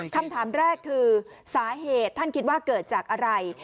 คำถามแรกคือสาเหตุท่านคิดว่าเกิดจากอะไร